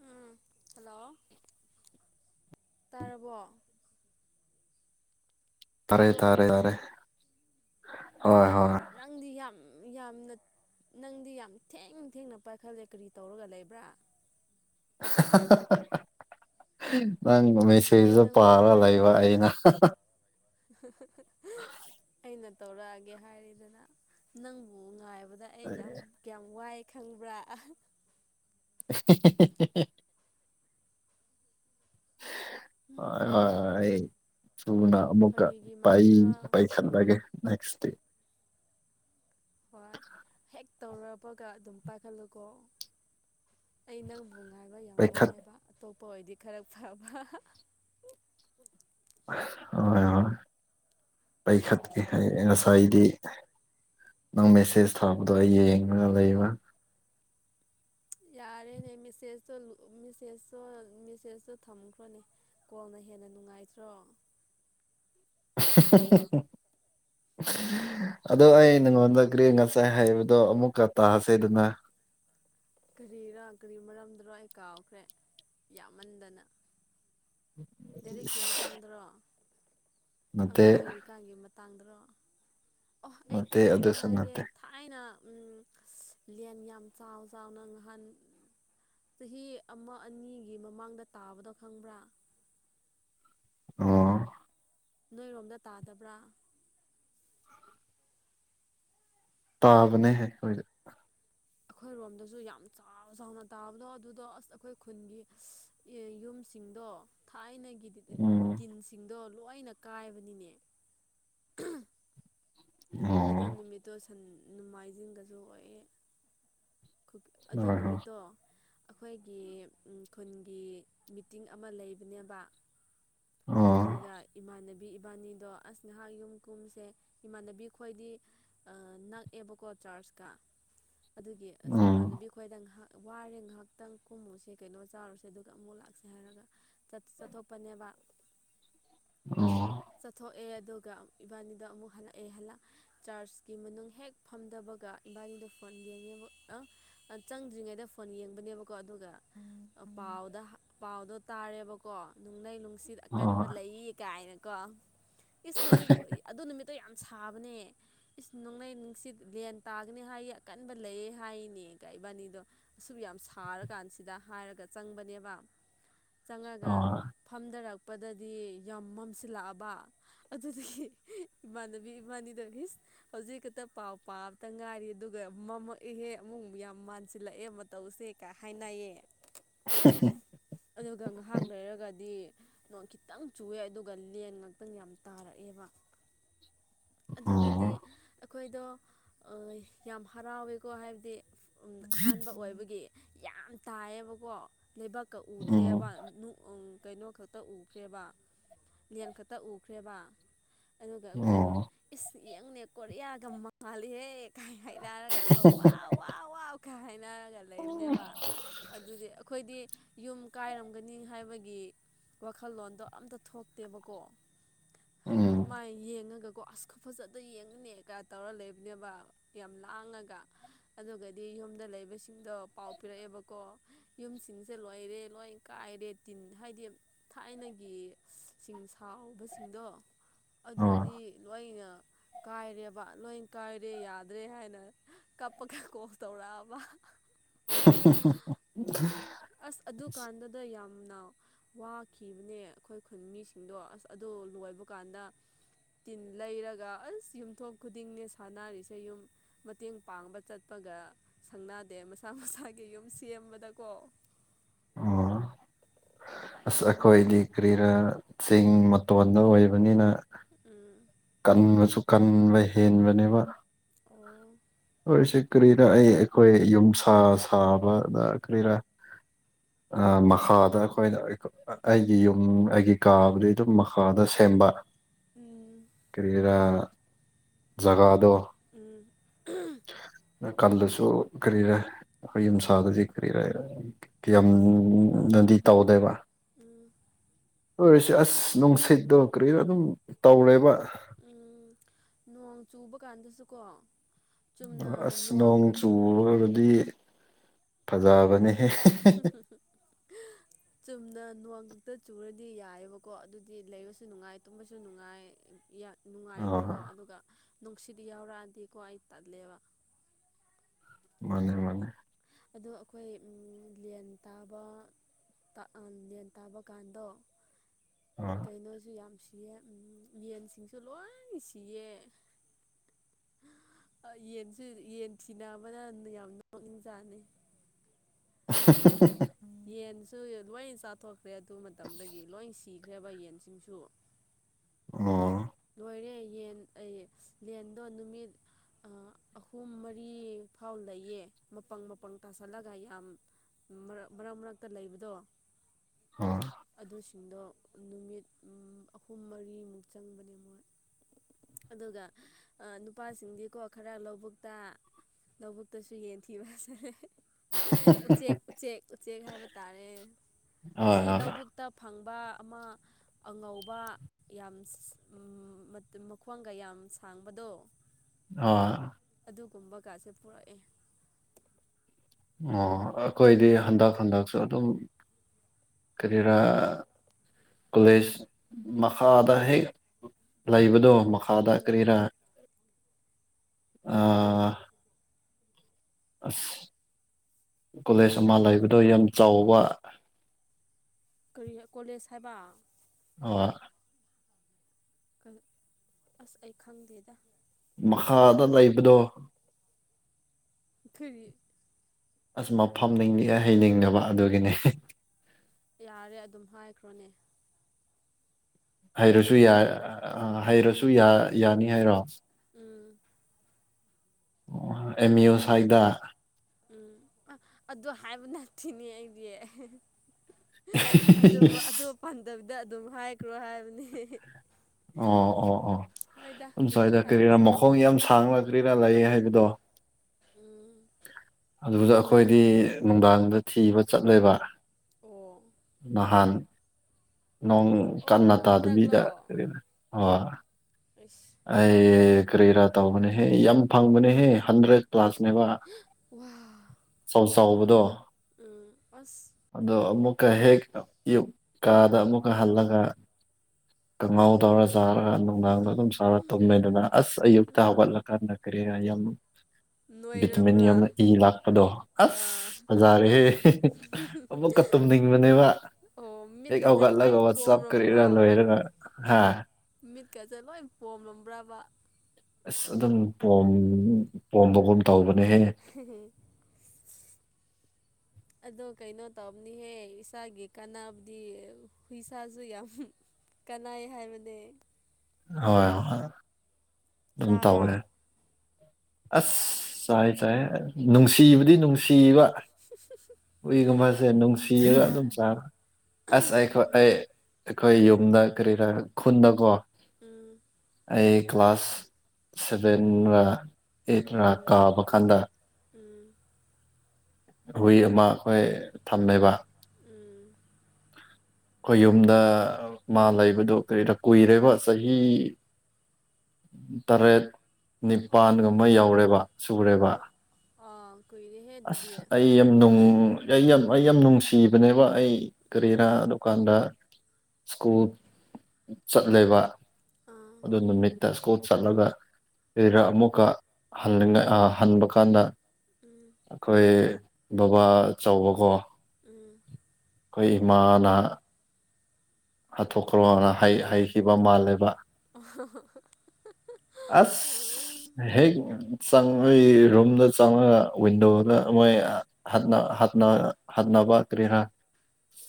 ꯎꯝ hello ꯇꯥꯔꯕꯣ ꯇꯥꯔꯦ ꯇꯥꯕ꯭ꯔꯣ ꯇꯥꯔꯦ ꯇꯥꯔꯦ ꯍꯣꯏ ꯍꯣꯏ ꯅꯪꯗꯤ ꯌꯥꯝ ꯌꯥꯝꯅ ꯅꯪꯗꯤ ꯌꯥꯝ ꯊꯦꯡꯅ ꯊꯦꯡꯅ ꯄꯥꯏꯈꯠꯂꯦ ꯀꯔꯤ ꯇꯧꯔꯒ ꯂꯩꯕ꯭ꯔꯥ ꯅꯪꯃꯦꯁ ꯑꯩ ꯐꯁꯨ ꯅꯪꯕꯨ ꯄꯥꯔ ꯂꯩꯕ ꯉꯥꯏꯕꯗ ꯑꯩꯅ ꯑꯩꯅ ꯇꯧꯔꯛꯑꯒꯦ ꯍꯥꯏꯔꯤꯗꯅ ꯅꯪꯕꯨ ꯉꯥꯏꯕꯗ ꯑꯩ ꯌꯥꯝ ꯀꯌꯥꯝ ꯋꯥꯏ ꯈꯪꯕ꯭ꯔꯥ [unintelligible] ꯁꯅ ꯑꯃꯃꯨꯀ ꯐꯥꯒꯤꯒꯤ ꯄꯥꯏ ꯃꯥꯟꯕ꯭ꯔꯣ ꯄꯩ ꯆꯟꯒꯦ ꯅꯦꯛꯁ ꯗꯦ ꯍꯣꯏ ꯍꯦꯛ ꯇꯧꯔꯕꯒ ꯑꯗꯨꯝ ꯄꯥꯏꯈꯠꯂꯨꯀꯣ ꯑꯩ ꯅꯪ ꯉꯥꯏꯕ ꯌꯥꯝ ꯄꯥꯏꯈꯠ ꯋꯥꯏꯑꯕ ꯑꯇꯣꯞꯄ ꯑꯣꯏꯗꯤ ꯈꯔ ꯐꯕ ꯍꯣꯏ ꯍꯣꯏ ꯑꯩꯈꯠꯀꯦ ꯑꯩ ꯎꯝ ꯉꯁꯥꯏꯗꯤ ꯅꯪ ꯃꯦꯁꯦꯖ ꯊꯥꯕꯗꯣ ꯑꯩ ꯌꯦꯡꯉꯒ ꯂꯩꯕ ꯌꯥꯔꯦꯅꯦ ꯃꯦꯁꯦꯖꯇꯣ ꯃꯦꯁꯦꯖꯇꯣ ꯃꯦꯁꯦꯖꯇꯣ ꯊꯝꯈ꯭ꯔꯣꯅꯦ ꯀꯣꯟꯅ ꯍꯦꯟꯅ ꯅꯨꯡꯉꯥꯏꯇ꯭ꯔꯣ [unintelligible] ꯎꯝ ꯑꯗꯣ ꯑꯩ ꯅꯉꯣꯟꯗ ꯒꯔꯤ ꯉꯁꯥꯏ ꯍꯥꯏꯩꯕꯗꯣ ꯑꯃꯨꯛꯀ ꯇꯥꯁꯦ ꯑꯗꯨꯅ ꯀꯔꯤꯔꯣ ꯀꯔꯤ ꯃꯔꯝꯗꯔꯣ ꯑꯩ ꯀꯥꯎꯈ꯭ꯔꯦ ꯌꯥꯝꯃꯟꯗꯅ ꯂꯗꯥꯏꯔꯤꯛꯀꯤ ꯏꯁ ꯃꯇꯥꯡꯗꯔꯣ ꯅꯠꯇꯦ ꯑꯉꯥꯡ ꯑꯣꯏꯔꯤꯀꯥꯟꯒꯤ ꯇꯥꯡꯗ꯭ꯔꯣ ꯑꯣ ꯑꯩ ꯅꯠꯇꯦ ꯀꯩꯅꯣꯝꯃ ꯑꯗꯨꯁꯨ ꯍꯥꯏꯒꯦ ꯅꯠꯇꯦ ꯊꯥꯏꯅ ꯂꯦꯟ ꯌꯥꯝ ꯆꯥꯎ ꯆꯥꯎꯅ ꯉꯍꯥꯟ ꯆꯍꯤ ꯑꯃ ꯑꯅꯤꯒꯤ ꯃꯃꯥꯡꯗ ꯇꯥꯕꯗꯣ ꯈꯪꯕ꯭ꯔꯥ ꯑꯣ ꯅꯣꯏꯔꯣꯝꯗ ꯇꯥꯗꯕ꯭ꯔꯥ ꯇꯥꯕꯅꯦ ꯍꯥꯏ ꯑꯩꯈꯣꯏꯗ ꯑꯩꯈꯣꯏꯔꯣꯝꯗꯁꯨ ꯌꯥꯝ ꯆꯥꯎ ꯆꯥꯎꯅ ꯇꯥꯕꯗꯣ ꯑꯗꯨꯗꯣ ꯑꯁ ꯑꯩꯈꯣꯏ ꯈꯨꯟꯒꯤ ꯌꯨꯝꯁꯤꯡꯗꯣ ꯊꯥꯏꯅꯒꯤꯗꯤ ꯎꯝ ꯇꯤꯟꯁꯤꯡꯗꯣ ꯂꯣꯏꯅ ꯀꯥꯏꯕꯅꯤꯅꯦ ꯑꯣ ꯑꯗꯣ ꯅꯨꯃꯤꯠꯇꯣ ꯁꯟ ꯅꯣꯡꯃꯥꯏꯖꯤꯡꯒꯁꯨ ꯑꯣꯏꯑꯦ ꯑꯗꯨ ꯍꯣꯏ ꯍꯣꯏ ꯅꯨꯃꯤꯠꯇꯣ ꯑꯩꯈꯣꯏꯒꯤ ꯈꯨꯟꯒꯤ ꯃꯤꯇꯤꯡ ꯑꯃ ꯂꯩꯕꯅꯦꯕ ꯑꯣ ꯑꯗꯨꯒ ꯏꯃꯥꯟꯅꯕꯤ ꯏꯕꯥꯅꯤꯗꯣ ꯑꯁ ꯅꯍꯥꯛ ꯌꯨꯝ ꯀꯨꯝꯁꯦ ꯏꯃꯥꯟꯅꯕꯤ ꯈꯣꯏꯗꯤ ꯅꯛꯑꯦꯕꯀꯣ ꯆꯥꯔꯖꯀ ꯑꯗꯨꯒꯤ ꯑꯁ ꯎꯝ ꯏꯃꯥꯟꯅꯕꯤ ꯈꯣꯏꯗ ꯉꯥꯏꯍꯥꯛ ꯋꯥꯔꯦ ꯉꯥꯏꯍꯥꯛꯇꯪ ꯀꯨꯝꯃꯨꯁꯦ ꯀꯩꯅꯣ ꯆꯥꯎꯥꯔꯨꯁꯦ ꯑꯗꯨꯒ ꯑꯃꯨꯛ ꯂꯥꯛꯁꯦ ꯍꯥꯏꯔꯒ ꯆꯠꯊꯣꯛꯄꯅꯦꯕ ꯑꯣꯝ ꯆꯠꯊꯣꯛꯑꯦ ꯑꯗꯨꯒ ꯏꯕꯥꯅꯤꯗ ꯑꯃꯨꯛ ꯍꯜꯂꯛꯑꯦ ꯍꯜꯂꯛ ꯆꯥꯔꯖꯀꯤ ꯃꯅꯨꯡ ꯍꯦꯛ ꯐꯝꯗꯕꯒ ꯏꯕꯥꯅꯤꯗ ꯐꯣꯟ ꯌꯦꯡꯉꯦꯕ ꯆꯪꯗ꯭ꯔꯤꯉꯩꯗ ꯐꯣꯟ ꯌꯦꯡꯕꯅꯦꯕꯀꯣ ꯑꯗꯨꯒ ꯄꯥꯎꯗ ꯄꯥꯎꯗꯣ ꯇꯥꯔꯦꯕꯀꯣ ꯅꯅꯨꯡꯡꯂꯩ ꯅꯨꯡꯁꯤꯠ ꯑꯀꯟꯕ ꯑꯣ ꯂꯩꯌꯦ ꯀꯥꯏꯅꯀꯣ ꯏꯁ ꯍꯧꯖꯤꯛ ꯑꯗꯨ ꯅꯨꯃꯤꯠꯇꯣ ꯌꯥꯝ ꯁꯥꯕꯅꯦ ꯏꯁ ꯅꯣꯡꯂꯩ ꯅꯨꯡꯁꯤꯠ ꯂꯦꯟ ꯇꯥꯒꯅꯤ ꯍꯥꯏꯌꯦ ꯑꯀꯟꯕ ꯂꯩꯌꯦ ꯍꯥꯏꯅꯦ ꯏꯕꯥꯅꯤꯗꯣ ꯑꯁꯨꯝꯕꯨ ꯌꯥꯝ ꯁꯥꯔꯀꯥꯟꯁꯤꯗ ꯍꯥꯏꯔꯒ ꯆꯪꯕꯅꯦꯕ ꯆꯪꯉꯒ ꯑꯣ ꯐꯝꯊꯔꯛꯄꯗꯗꯤ ꯌꯥꯝ ꯃꯝꯁꯤꯜꯂꯛꯑꯕ ꯑꯗꯨꯗꯤꯗꯒꯤ ꯏꯃꯅꯕꯤ ꯏꯃꯅꯤꯗꯒ ꯍꯧꯖꯤꯛ ꯈꯛꯇ ꯄꯥꯎ ꯄꯥꯕꯇ ꯉꯥꯏꯔꯤ ꯑꯗꯨꯒ ꯃ ꯏꯍꯦ ꯑꯃꯨꯛ ꯌꯥꯝ ꯃꯥꯟꯁꯤꯜꯂꯛꯑꯦ ꯃꯇꯧꯁꯦ ꯀꯍꯥꯏꯅꯥꯦ ꯍ ꯑꯗꯨꯒ ꯉꯥꯏꯍꯥꯛ ꯂꯩꯩꯔꯒꯗꯤ ꯅ ꯈꯤꯇꯪ ꯆꯨꯑꯦ ꯑꯗꯨꯒ ꯂꯦꯟ ꯉꯥꯛꯇꯪ ꯌꯥꯝ ꯇꯥꯔꯛꯑꯦꯕ ꯑꯗꯨꯗꯗꯤ ꯎꯝ ꯑꯩꯈꯣꯏꯗꯣ ꯌꯥꯝ ꯍꯔꯥꯎꯋꯦꯀꯣ ꯍꯥꯏꯕꯗꯤ ꯑꯍꯥꯟꯕ ꯑꯣꯏꯕꯒꯤ ꯌꯥꯝ ꯇꯥꯏꯌꯦꯕꯀꯣ ꯂꯩꯕꯛꯀ ꯎꯝ ꯎꯗ꯭ꯔꯦꯕ ꯀꯩꯅꯣ ꯈꯛ ꯈ ꯎꯈ꯭ꯔꯦꯕ ꯂꯦꯟ ꯈꯛꯇ ꯎꯈ꯭ꯔꯦꯕ ꯑꯗꯨꯒ ꯑꯩꯈꯣꯏꯗꯣ ꯑꯣ ꯏꯁꯡꯅꯦ ꯀꯣꯔꯤꯌꯥꯒ ꯃꯉꯥꯜꯂꯤꯍꯦ ꯀꯥꯏ ꯍꯥꯏꯗꯥꯔꯒ ꯀ ꯋꯥ ꯋꯥ ꯀ ꯍꯥꯏꯅꯔꯒ ꯂꯩꯕꯅꯦꯕ ꯑꯗꯨꯗꯤ ꯑꯩꯈꯣꯏꯗꯤ ꯌꯨꯝ ꯀꯥꯏꯔꯝꯒꯅꯤ ꯍꯥꯏꯕꯒꯤ ꯋꯥꯈꯜꯂꯣꯟꯗꯣ ꯑꯝꯇ ꯊꯣꯛꯇꯦꯕꯀꯣ ꯎꯝ ꯑꯗꯨꯃꯥꯏꯅ ꯌꯦꯡꯉꯒꯀꯣ ꯑ ꯐꯖꯗ ꯌꯦꯡꯉꯅꯦꯒ ꯇꯧꯔ ꯂꯩꯕꯅꯦꯕ ꯌꯥꯝ ꯂꯥꯡꯉꯒ ꯑꯗꯨꯒꯗꯤ ꯌꯨꯝꯗ ꯂꯩꯕꯁꯤꯡꯗꯣ ꯄꯥꯎ ꯄꯤꯔꯛꯑꯦꯕꯀꯣ ꯌꯨꯝꯁꯤꯡꯁꯦ ꯂꯣꯏꯔꯦ ꯂꯣꯏ ꯀꯥꯏꯔꯦ ꯇꯤꯟ ꯍꯥꯏꯗꯤ ꯊꯥꯏꯅꯒꯤ ꯆꯤꯡ ꯁꯥꯎꯕꯁꯤꯡꯗꯣ ꯑꯗꯨꯗꯤ ꯑꯣ ꯂꯣꯏꯅ ꯀꯥꯏꯔꯦꯕ ꯂꯣꯏ ꯀꯥꯏꯔꯦ ꯌꯥꯗ꯭ꯔꯦ ꯍꯥꯏꯅ ꯀꯞꯄꯒ ꯀꯣꯛ ꯇꯧꯔꯛꯑꯕ [unintelligible] [unintelligible] ꯑꯁ ꯑꯗꯨꯀꯥꯟꯗꯨꯗ ꯌꯥꯝꯅ ꯋꯥ ꯈꯤꯕꯅꯦ ꯑꯩꯈꯣꯏ ꯈꯨꯟ ꯃꯤꯁꯤꯡꯗꯣ ꯑꯁ ꯑꯗꯨ ꯂꯣꯏꯕ ꯀꯥꯟꯗ ꯇꯤꯟ ꯂꯩꯔꯒ ꯑꯁ ꯌꯨꯝꯊꯣꯡ ꯈꯨꯗꯤꯡꯅꯦ ꯁꯥꯟꯅꯔꯤꯁꯦ ꯌꯨꯝ ꯃꯇꯦꯡ ꯄꯥꯡꯕ ꯆꯠꯄꯒ ꯁꯪꯅꯗꯦ ꯃꯁꯥ ꯃꯁꯥꯒꯤ ꯌꯨꯝ ꯁꯦꯝꯕꯗꯀꯣ ꯑꯣ [unintelligible] ꯑꯁ ꯑꯩꯈꯣꯏꯗꯤ ꯀꯔꯤꯔꯥ ꯆꯤꯡ ꯃꯇꯣꯟꯗ ꯑꯣꯏꯕꯅꯤꯅ ꯎꯥ ꯀꯟꯕꯁꯨ ꯀꯟꯕ ꯍꯦꯟꯕꯅꯦꯕ ꯑꯣ ꯍꯣꯏꯁꯦ ꯀꯔꯤꯔ ꯑꯩ ꯑꯩꯈꯣꯏ ꯌꯨꯝ ꯁꯥ ꯁꯥꯕꯗ ꯀꯔꯤꯔꯥ ꯃꯈꯥꯗ ꯑꯩꯈꯣꯏꯅ ꯑꯩꯒꯤ ꯌꯨꯝ ꯑꯩꯒꯤ ꯀꯥꯕꯨꯗꯤ ꯑꯗꯨꯝ ꯃꯈꯥꯗ ꯁꯦꯝꯕ ꯎꯝ ꯀꯔꯤꯔꯥ ꯖꯒꯥꯗꯣ ꯎꯝ [unintelligible] [inaudible] ꯀꯜꯗꯁꯨ ꯀꯔꯤꯔꯦꯈ ꯌꯨꯝꯁꯥꯗꯗꯤ ꯀꯔꯤꯔ ꯀ ꯌꯥꯝꯅꯗꯤ ꯇꯧꯗꯦꯕ ꯎꯝ ꯑꯣꯏꯔꯁꯦ ꯑꯁ ꯅꯨꯡꯁꯤꯠꯇꯣ ꯀꯔꯤꯅꯣ ꯑꯗꯨꯝ ꯇꯧꯔꯦꯕ ꯎꯝ ꯅꯣꯡ ꯆꯨꯕ ꯀꯥꯟꯗꯁꯨꯀꯣ ꯆꯨꯝꯅ ꯑꯁ ꯅꯣꯡ ꯅꯣꯡꯈꯛ ꯆꯨꯒꯗꯤ ꯐꯖꯕꯅꯤ ꯍ [unintelligible] [inaudible] ꯆꯨꯝꯅ ꯅꯣꯡꯋꯥꯡ ꯈꯛꯇ ꯆꯨꯔꯗꯤ ꯌꯥꯏꯑꯕꯀꯣ ꯑꯗꯨꯗꯤ ꯂꯩꯕꯁꯨ ꯅꯨꯡꯉꯥꯏ ꯇꯨꯝꯕꯁꯨ ꯅꯨꯡꯉꯥꯏ ꯅꯨꯡꯉꯥꯏꯕꯀꯣ ꯑꯥ ꯑꯗꯨꯒ ꯅꯨꯡꯁꯤꯠ ꯌꯥꯎꯔꯛꯑꯗꯤꯀꯣ ꯑꯩ ꯇꯜꯂꯦꯕ ꯃꯥꯅꯦ ꯃꯥꯅꯦ ꯑꯗꯣ ꯑꯩꯈꯣꯏ ꯂꯟ ꯇꯥꯕ ꯂꯟ ꯇꯥꯕ ꯀꯥꯟꯗꯣ ꯑ [unintelligible] [inaudible] ꯀꯩꯅꯣꯁꯨ ꯌꯥꯝ ꯁꯤꯌꯦ ꯌꯦꯟꯁꯤꯡꯁꯨ ꯂꯣꯏ ꯁꯤꯌꯦ ꯌꯦꯟꯁꯨ ꯌꯦꯟ ꯊꯤꯅꯕꯅ ꯌꯥꯝꯅ ꯃꯛꯅꯤꯡ ꯆꯥꯅꯤ ꯍ ꯌꯦꯟꯁꯨ ꯂꯣꯏ ꯆꯥꯊꯣꯛꯈ꯭ꯔꯦ ꯑꯗꯨ ꯃꯇꯝꯗꯒꯤ ꯂꯣꯏ ꯁꯤ ꯊꯤꯈ꯭ꯔꯦꯕ ꯌꯦꯟꯁꯤꯡꯁꯨ ꯑꯣ ꯂꯣꯏꯔꯦ ꯌꯦꯟ ꯑꯩ ꯂꯗꯣ ꯅꯨꯃꯤ ꯑꯍꯨꯝ ꯃꯔꯤ ꯐꯥꯎ ꯂꯩꯌꯦ ꯃꯄꯪ ꯃꯄꯪ ꯇꯥꯁꯜꯂꯒ ꯌꯥꯝ ꯃꯔꯛ ꯃꯔꯛ ꯃꯔꯛꯇ ꯂꯩꯕꯗꯣ ꯑꯣꯝ ꯑꯗꯨꯁꯤꯡꯗꯣ ꯅꯨꯃꯤꯠ ꯑꯍꯨꯝ ꯃꯔꯤꯃꯨꯛ ꯆꯪꯕꯅꯦ ꯃꯣꯏ ꯑꯗꯨꯒ ꯅꯨꯄꯥꯁꯤꯡꯗꯤꯀꯣ ꯈꯔ ꯂꯧꯕꯨꯛꯇ ꯂꯧꯕꯨꯛꯇꯁꯨ ꯌꯦꯟꯊꯤꯕꯁꯦ [unintelligible] [inaudible] ꯎꯆꯦꯛ ꯎꯆꯦꯛ ꯍꯥꯏꯕ ꯇꯥꯔꯦ ꯑꯥ ꯑꯁꯤ ꯑꯥ ꯂꯧꯕꯨꯛꯇ ꯐꯪꯕ ꯑꯃ ꯑꯉꯧꯕ ꯌꯥꯝ ꯃꯈꯣꯡꯒ ꯌꯥꯝ ꯁꯥꯡꯕꯗꯣ ꯑ ꯑꯗꯨꯒꯨꯝꯕꯒꯁꯦ ꯄꯨꯔꯛꯑꯦ ꯑꯣ ꯑꯩꯈꯣꯏꯗꯤ ꯍꯟꯗꯛ ꯍꯟꯗꯛꯁꯨ ꯑꯗꯨꯝ ꯀꯔꯤꯔꯥ ꯀꯣꯂꯦꯖ ꯃꯈꯥꯗ ꯍꯦꯛ ꯂꯩꯕꯗꯣ ꯃꯈ ꯑꯗꯥ ꯎꯝ ꯀꯦꯔꯥ ꯇꯔꯤ [unintelligible] [inaudible] ꯑꯁ ꯀꯣꯂꯦꯖ ꯑꯃ ꯂꯩꯕꯗꯣ ꯌꯥꯝ ꯆꯥꯎꯕ ꯀꯔꯤ ꯀꯣꯂꯦꯖ ꯍꯥꯏꯕ ꯑ [unintelligible] [inaudible] ꯑꯁ ꯑꯩ ꯈꯪꯗꯦꯗ ꯃꯈꯥꯗ ꯂꯩꯕꯗꯣ ꯐꯔꯤ ꯑꯁ ꯃꯐꯝ ꯅꯤꯡꯂꯤ ꯍꯩꯅꯤꯡꯗꯕ ꯑꯗꯨꯒꯤꯅꯦ ꯌꯥꯔꯦ ꯑꯗꯨꯝ ꯍꯥꯏꯈ꯭ꯔꯣꯅꯦ ꯍꯩꯔꯁꯨ ꯌꯥ ꯍꯩꯔꯁꯨ ꯌꯥꯅꯤ ꯍꯥꯏꯔꯣ ꯎꯝ ꯑꯣ ꯑꯦꯝ ꯌ ꯑꯣ ꯁꯥꯏꯗ ꯎꯝ ꯑꯗꯨ ꯍꯥꯏꯕ ꯅ ꯊꯤꯅꯤ ꯑꯩꯗꯤ ꯑꯗꯨ ꯑꯣ ꯄꯥꯟꯗꯕꯤꯗ ꯑꯗꯨꯝ ꯍꯥꯏꯈ꯭ꯔꯣ ꯍꯥꯏꯕꯅꯤ ꯑꯣ ꯑꯣ ꯑꯣ ꯑꯗꯨ ꯁ꯭ꯋꯥꯏꯗ ꯀꯔꯤꯔꯥ ꯍꯥꯏꯔꯣꯏꯁꯦ ꯃꯈꯣꯡ ꯌꯥꯝ ꯁꯥꯡꯅ ꯀꯔꯤꯔꯥ ꯂꯩ ꯍꯥꯏꯕꯗꯣ ꯎꯝ ꯑꯗꯨꯗ ꯑꯩꯈꯣꯏꯗꯤ ꯅꯨꯡꯗꯥꯡꯗ ꯊꯤꯕ ꯆꯠꯂꯦꯕ ꯑꯣ ꯅꯍꯥꯟ ꯅꯣꯡ ꯀꯟꯅ ꯑꯣ ꯇꯥꯗꯕꯤꯗ ꯍꯟꯗꯛꯂꯣ ꯀꯣ ꯍꯣꯏ ꯑꯩꯁ ꯐꯪꯕ꯭ꯔꯣ ꯑꯩ ꯀꯔꯤ ꯔ ꯇꯧꯕꯅꯦꯍꯦ ꯌꯥꯝ ꯐꯪꯕꯅꯦꯍꯦ ꯍꯟꯗ꯭ꯔꯦꯠ ꯀ꯭ꯂ꯭ꯂꯥꯁꯅꯦꯕ ꯋꯥ ꯆꯥꯎ ꯆꯥꯎꯕꯗꯣ ꯎꯝ ꯑꯁ ꯑꯗꯣ ꯑꯃꯨꯛꯀ ꯍꯦꯛ ꯑꯌꯨꯛ ꯀꯥꯗ ꯑꯃꯨꯛꯀ ꯍꯜꯂꯒ ꯀꯪꯉꯥꯎꯎ ꯇꯧꯕꯔ ꯆꯥꯔꯒ ꯑꯉꯥꯡꯗꯣ ꯑꯗꯨꯝ ꯁꯥꯔ ꯊꯨꯝꯃꯦꯗꯅ ꯑꯁ ꯑꯌꯨꯛꯇ ꯍꯧꯒꯠꯂꯀꯥꯟꯗ ꯀꯔꯤ ꯌꯥꯝ ꯎ [unintelligible] [inaudible] ꯚꯤꯇꯃꯤꯟ ꯌꯥꯝꯅ ꯏ ꯂꯥꯛꯄꯗꯣ ꯑꯁ ꯑꯥ ꯐꯖꯥꯔꯦꯦ ꯑꯃꯨꯛꯀ ꯇꯨꯝꯅꯤꯡꯕꯅꯦꯕ ꯑꯣ ꯍꯦꯛ ꯃꯤꯠꯀꯁꯦ ꯂꯣꯏ ꯍꯧꯒꯠꯂꯒ ꯋꯥꯆꯞ ꯀꯔꯤꯔ ꯄꯣꯝꯔꯝꯕ꯭ꯔꯣ ꯂꯣꯏꯔꯒ ꯍꯥ ꯃꯤꯠꯀꯁꯦ ꯂꯣꯏ ꯄꯣꯝꯂꯝꯕ꯭ꯔꯥꯕ ꯑꯁ ꯑꯗꯨꯝ ꯄꯣꯝ ꯄꯣꯝꯕꯒꯨꯝ ꯇꯧꯕꯅꯦꯍꯦ [inaudible] ꯑꯗꯣ ꯀꯩꯅꯣ ꯇꯧꯅꯤꯍꯦ ꯏꯁꯥꯒꯤ ꯀꯥꯟꯅꯕꯗꯤ ꯍꯨꯏꯁꯥꯁꯨ ꯌꯥꯝ ꯀꯥꯟꯅꯩ ꯍꯥꯏꯕꯅꯦ ꯍꯣꯏ ꯑꯗꯨꯝ ꯇꯧꯕꯅꯦ ꯆꯥꯕ꯭ꯔꯥ ꯑꯁ ꯆꯥꯏ ꯆꯥꯏ ꯅꯨꯡꯁꯤꯕꯗꯤ ꯅꯨꯡꯁꯤꯕ ꯍꯨꯏꯒꯨꯝꯕꯁꯦ ꯅꯨꯡꯁꯤꯔꯒ ꯑꯗꯨꯝ ꯍꯣꯏ ꯆꯥꯈꯔꯦ ꯑꯁ ꯎꯝ ꯑꯩꯈꯣꯏ ꯑꯩ ꯑꯩꯈꯣꯏ ꯌꯨꯝꯗ ꯀꯔꯤꯔ ꯈꯨꯟꯗꯀꯣ ꯎꯝ ꯑꯩ ꯀ꯭ꯂꯥꯁ ꯁꯚꯦꯟ ꯔ ꯑꯩꯠꯔꯥ ꯎꯝ ꯀꯥꯕ ꯀꯥꯟꯗ ꯎꯝ ꯍꯨꯏ ꯑꯃ ꯈꯣꯏ ꯊꯝꯃꯦꯕ ꯎꯝ ꯈꯣꯏ ꯌꯨꯝꯗ ꯃꯥ ꯂꯩꯕꯗꯨꯣ ꯀꯔꯤꯔ ꯀꯨꯏꯔꯦꯕ ꯆꯍꯤ ꯇꯔꯦꯠ ꯅꯤꯄꯥꯟꯒꯨꯝꯕ ꯑꯣ ꯌꯧꯔꯦꯕ ꯁꯨꯔꯦꯕ ꯑꯣ ꯑꯁ ꯑꯩ ꯌꯥꯝ ꯅꯨꯡ ꯑꯩ ꯌꯥꯝ ꯑꯩ ꯌꯥꯝ ꯅꯨꯡꯁꯤꯕꯅꯦꯕ ꯑꯩ ꯎꯝ ꯀꯔꯤꯔꯥ ꯀꯥꯟꯗ ꯁ꯭ꯀꯨꯜ ꯆꯠꯂꯦꯕ ꯑꯥ ꯑꯗꯨ ꯅꯨꯃꯤꯠ ꯇ ꯁꯀꯣꯠ ꯆꯠꯂꯒ ꯂꯩꯔ ꯑꯃꯨꯛꯀ ꯍꯟꯅꯤꯡ ꯑꯥ ꯍꯟꯕ ꯀꯥꯟꯗ ꯎꯝ ꯑꯈꯣꯏ ꯕꯕꯥ ꯆꯥꯎꯕꯀꯣ ꯎꯝ ꯈꯣꯏ ꯏꯃꯥꯅ ꯍꯥꯠꯇꯣꯛꯈ꯭ꯔꯣꯅ ꯍꯥꯏ ꯍꯥꯏꯈꯤꯕ ꯃꯥꯜꯂꯦꯕ ꯑꯣ ꯑꯁ ꯍꯦꯛ ꯆꯪꯉꯏ ꯔꯨꯝꯗ ꯆꯪꯔꯒ ꯋꯤꯟꯗꯣꯗ ꯃꯣꯏ ꯍꯥꯠꯅ ꯍꯥꯠꯅ ꯍꯥꯠꯅꯕ ꯀꯔꯤꯔ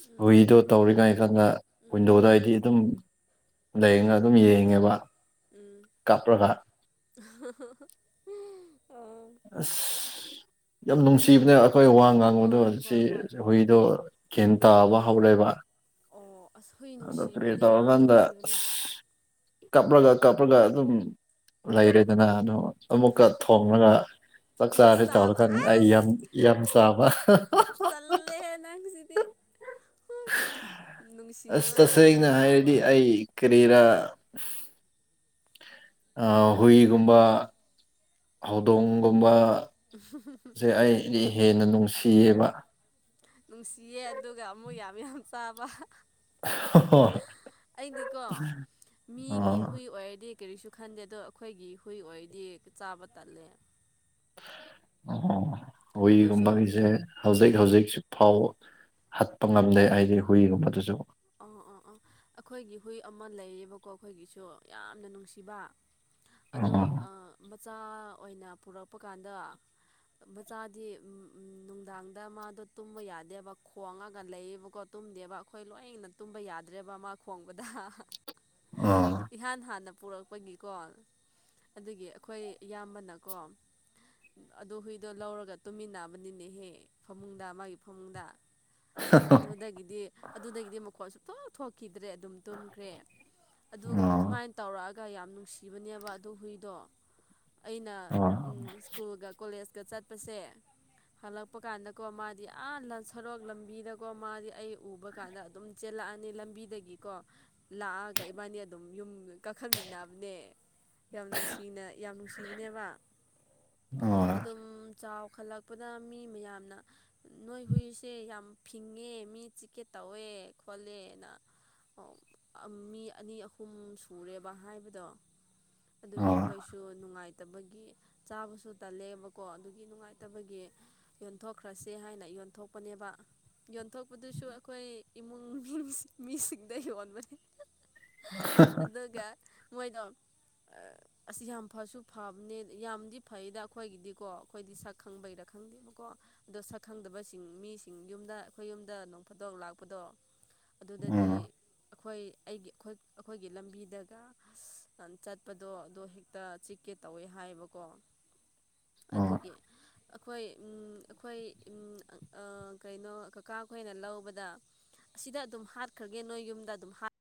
ꯎꯝ ꯍꯨꯏꯗꯣ ꯇꯧꯔꯤꯉꯥꯏꯗꯅ ꯎꯝ ꯋꯤꯟꯗꯣꯗ ꯑꯩ ꯑꯗꯨꯝ ꯂꯩꯅ ꯑꯗꯨꯝ ꯌꯦꯡꯉꯦꯕ ꯎꯝ ꯀꯥꯞꯔꯒ ꯑꯣ ꯑꯁ ꯌꯥꯝ ꯅꯨꯡꯁꯤꯕꯅꯦ ꯑꯈꯣꯏ ꯋꯥ ꯉꯥꯡꯕꯗꯣ ꯍꯣꯏ ꯁꯤ ꯍꯣꯏ ꯍꯣꯏ ꯍꯨꯏ ꯒ꯭ꯌꯥꯟ ꯇꯥꯕ ꯍꯧꯔꯦꯕ ꯑꯣ ꯑꯁ ꯍꯨꯏ ꯑꯗꯣ ꯀꯔꯤ ꯅꯨꯡꯁꯤꯕꯗꯤ ꯌꯥꯝ ꯇꯧꯔꯀꯥꯟꯗ ꯅꯨꯡꯁꯤꯕꯅꯦ ꯀꯞꯔꯒ ꯀꯞꯔꯒ ꯑꯗꯨꯝ ꯂꯩꯔꯦꯗꯅ ꯑꯃꯨꯛꯀ ꯊꯣꯡꯂꯒ ꯆꯥꯛ ꯑꯃꯨꯛ ꯆꯥꯔꯦ ꯆꯥꯕ ꯇꯧꯔꯀꯥꯟ ꯑꯩ ꯌꯥꯝ ꯌꯥꯝ ꯆꯥꯕ ꯆꯜꯂꯤꯍꯦ ꯅꯪꯁꯤꯗꯤ ꯑꯁ ꯅꯨꯡꯁꯤꯕꯒ ꯑꯃꯨꯛ ꯇꯁꯦꯡꯅ ꯆꯥꯕ ꯍꯥꯏꯔꯗꯤ ꯑꯩ ꯀꯔꯤꯔꯥ ꯑꯥ ꯍꯨꯏꯒꯨꯝꯕ ꯍꯧꯗꯣꯡꯒꯨꯝꯕ [inaudible] ꯁꯦ ꯑꯩꯗꯤ ꯍꯦꯟꯅ ꯅꯨꯡꯁꯤꯌꯦꯕ ꯅꯨꯡꯁꯤꯌꯦ ꯑꯗꯨꯒ ꯑꯃꯨꯛ ꯌꯥꯝ ꯌꯥꯝ ꯆꯥꯕ ꯑꯩꯗꯤꯀꯣ ꯃꯤꯒꯤ ꯍꯨꯏ ꯑꯣꯏꯔꯗꯤ ꯀꯔꯤꯁꯨ ꯈꯟꯗꯦ ꯑꯗꯣ ꯑꯈꯣꯏꯒꯤ ꯍꯨꯏ ꯑꯣꯏꯗꯤ ꯆꯥꯕ ꯇꯠꯂꯦ ꯑꯣ ꯑꯩꯈꯣꯏꯁꯨ ꯍꯣꯏꯒꯨꯝꯕꯒꯤꯁꯦ ꯍꯧꯖꯤꯛ ꯍꯧꯖꯤꯛ ꯐꯥꯎ ꯍꯠꯄ ꯉꯝꯗꯦ ꯍꯥꯏꯗꯤ ꯍꯨꯏꯒꯨꯝꯕꯗꯨꯁꯨ ꯑꯣ ꯑꯣ ꯑꯥ ꯑꯩꯈꯣꯏꯒꯤ ꯍꯨꯏ ꯑꯃ ꯂꯩꯌꯦꯕꯀꯣ ꯑꯩꯈꯣꯏꯒꯤꯁꯨ ꯌꯥꯝꯅ ꯅꯨꯡꯁꯤꯕ ꯑꯗꯣ ꯑꯣ ꯑꯥ ꯃꯆꯥ ꯑꯣꯏꯅ ꯄꯨꯔꯛꯄ ꯀꯥꯟꯗ ꯃꯆꯥꯗꯤ ꯅꯨꯡꯗꯥꯡꯗ ꯃꯥꯗꯣ ꯇꯨꯝꯕ ꯌꯥꯗꯦꯕ ꯈꯣꯡꯉꯒ ꯂꯩꯌꯦꯕꯀꯣ ꯇꯨꯝꯗꯦꯕ ꯑꯩꯈꯣꯏ ꯂꯣꯏꯅ ꯇꯨꯝꯕ ꯌꯥꯗ꯭ꯔꯦꯕ ꯃꯥ ꯈꯣꯡꯕꯗ ꯑꯣ ꯏꯍꯥꯟ ꯍꯥꯟꯅ ꯄꯔꯛꯄꯒꯤꯀꯣ ꯑꯗꯨꯒꯤ ꯑꯩꯈꯣꯏ ꯏꯌꯥꯝꯕꯅꯀꯣ ꯑꯗꯨ ꯍꯨꯏꯗꯣ ꯂꯧꯔꯒ ꯇꯨꯝꯃꯤꯟꯅꯕꯅꯤꯅꯦꯍꯦ ꯐꯃꯨꯡꯗ ꯃꯥꯒꯤ ꯐꯃꯨꯡꯗ ꯑꯗꯨꯗꯒꯤꯗꯤ ꯑꯗꯨꯗꯒꯤꯗꯤ ꯃꯈꯣꯟ ꯁꯨꯡꯊꯣꯛ ꯊꯣꯛꯈꯤꯗ꯭ꯔꯦ ꯑꯗꯨꯝ ꯇꯨꯝꯈ꯭ꯔꯦ ꯑꯗꯨꯒ ꯑꯣ ꯑꯗꯨꯃꯥꯏꯅ ꯇꯧꯔꯛꯑꯒ ꯌꯥꯝ ꯅꯨꯡꯁꯤꯕꯅꯦꯕ ꯑꯗꯨ ꯍꯨꯏꯗꯣ ꯑꯩꯅ ꯑꯣ ꯁ꯭ꯀꯨꯜꯒ ꯀꯣꯂꯦꯖꯀꯥ ꯆꯠꯄꯁꯦ ꯍꯜꯂꯛꯄ ꯀꯥꯟꯗꯀꯣ ꯃꯥꯗꯤ ꯑꯥ ꯁꯣꯔꯣꯛ ꯂꯝꯕꯤ ꯃꯤꯗꯀꯣ ꯃꯥꯗꯤ ꯑꯩ ꯎꯕ ꯀꯥꯟꯗ ꯑꯗꯨꯝ ꯆꯦꯜꯂꯛꯑꯅꯤ ꯂꯝꯕꯤꯗꯒꯤꯀꯣ ꯂꯥꯛꯑꯒ ꯏꯕꯥꯅꯤ ꯑꯗꯨꯝ ꯌꯨꯝ ꯀꯥꯈꯠꯃꯤꯟꯅꯕꯅꯦ ꯌꯥꯝ ꯅꯨꯡꯁꯤꯅ ꯌꯥꯝ ꯅꯨꯡꯁꯤꯕꯅꯦꯕ ꯑꯣ ꯑꯗꯨꯝ ꯆꯥꯎꯈꯠꯂꯛꯄꯗ ꯃꯤ ꯃꯌꯥꯝꯅ ꯅꯣꯏ ꯍꯨꯏꯁꯦ ꯌꯥꯝ ꯐꯤꯡꯉꯦ ꯃꯤ ꯆꯤꯛꯀꯦ ꯇꯧꯋꯦ ꯈꯣꯠꯂꯦꯅ ꯑꯣ ꯃꯤ ꯑꯅꯤ ꯑꯍꯨꯝ ꯁꯨꯔꯦꯕ ꯍꯥꯏꯕꯗꯣ ꯑꯗꯨꯒꯤ ꯑꯣ ꯑꯩꯈꯣꯏꯁꯨ ꯅꯨꯡꯉꯥꯏꯇꯕꯒꯤ ꯆꯥꯕꯁꯨ ꯇꯜꯂꯦꯕꯀꯣ ꯑꯗꯨꯒꯤ ꯅꯨꯡꯉꯥꯏꯇꯕꯒꯤ ꯌꯣꯟꯊꯣꯛꯈ꯭ꯔꯁꯦ ꯍꯥꯏꯅ ꯌꯣꯟꯊꯣꯛꯄꯅꯦꯕ ꯌꯣꯟꯊꯣꯛꯄꯗꯨꯁꯨ ꯑꯩꯈꯣꯏ ꯏꯃꯨꯡ ꯃꯅꯨꯡ ꯃꯤꯁꯤꯡꯗ ꯌꯣꯟꯕꯅꯤ ꯑꯗꯨꯒ ꯃꯣꯏꯗꯣ ꯑꯁ ꯌꯥꯝ ꯐꯁꯨ ꯐꯕꯅꯦ ꯌꯥꯝꯗꯤ ꯐꯩꯗ ꯑꯩꯈꯣꯏꯒꯤꯗꯤꯀꯣ ꯑꯩꯈꯣꯏꯗꯤ ꯁꯛ ꯈꯪꯕꯩꯔꯥ ꯈꯪꯗꯦꯕꯀꯣ ꯑꯗꯣ ꯁꯛ ꯈꯪꯗꯕꯁꯤꯡ ꯃꯤꯁꯤꯡ ꯌꯨꯝꯗ ꯑꯩꯈꯣꯏ ꯌꯨꯝꯗ ꯅꯣꯡꯐꯗꯣꯛ ꯂꯥꯛꯄꯗꯣ ꯑꯗꯨꯗꯗꯤ ꯑꯣ ꯑꯩꯈꯣꯏ ꯑꯩꯒꯤ ꯑꯩꯈꯣꯏꯒꯤ ꯂꯝꯕꯤꯗꯒ ꯆꯠꯄꯗꯣ ꯑꯗꯣ ꯍꯦꯛ ꯇ ꯆꯤꯛꯀꯦ ꯇꯧꯋꯦ ꯍꯥꯏꯌꯦꯕꯀꯣ ꯑꯣ ꯑꯗꯨꯒꯤ ꯑꯩꯈꯣꯏ ꯑꯩꯈꯣꯏ ꯀꯩꯅꯣ ꯀꯥ ꯈꯣꯏꯅ ꯂꯧꯕꯗ ꯑꯁꯤꯗ ꯑꯗꯨꯝ ꯍꯥꯠꯈ꯭ꯔꯒꯦ ꯅꯣꯏ ꯌꯨꯝꯗ ꯑꯗꯨꯝ ꯍꯥꯠ